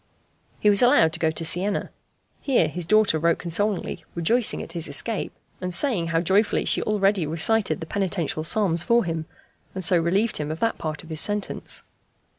He was allowed to go to Siena. Here his daughter wrote consolingly, rejoicing at his escape, and saying how joyfully she already recited the penitential psalms for him, and so relieved him of that part of his sentence.